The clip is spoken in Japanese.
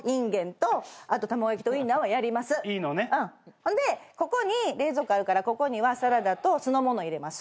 ほんでここに冷蔵庫あるからここにはサラダと酢の物入れます。